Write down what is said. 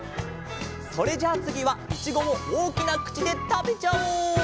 それじゃあつぎはいちごをおおきなくちでたべちゃおう！